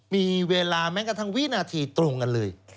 มีเวลาแม้กระทั่งวินาทีตรงกันเลย